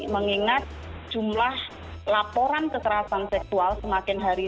mengingat jumlah laporan kekerasan seksual semakin hari